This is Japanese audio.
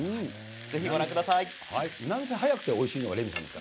ぜひご覧ください。